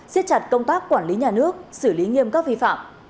xiết chặt công tác quản lý nhà nước xử lý nghiêm các vi phạm